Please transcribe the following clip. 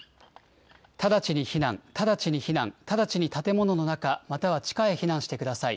直ちに避難、直ちに避難、直ちに建物の中、または地下へ避難してください。